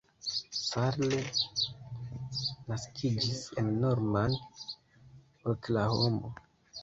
Salle naskiĝis en Norman, Oklahomo.